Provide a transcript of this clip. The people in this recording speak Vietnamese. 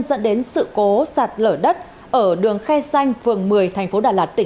dẫn đến sự cố sạt lở đất ở đường khe xanh phường một mươi tp đà lạt